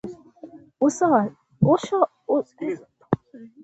uso wa shauku, ulikuwa mwingine kabisa